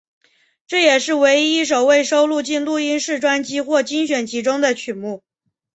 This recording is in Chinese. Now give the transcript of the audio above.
这也是唯一一首未收录进录音室专辑或精选集中的曲目。